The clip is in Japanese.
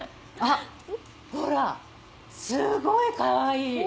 ほらすごいかわいい！